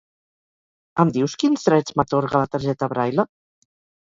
Em dius quins drets m'atorga la targeta Braile?